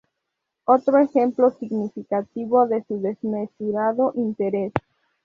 Otro ejemplo significativo de su desmesurado interés